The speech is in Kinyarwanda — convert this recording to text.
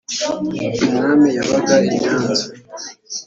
Umwami yabaga I Nyanza